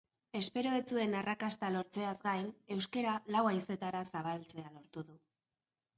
Espero ez zuen arrakasta lortzeaz gain, euskara lau haizetara zabaltzea lortu du.